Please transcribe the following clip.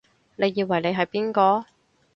你以為你係邊個？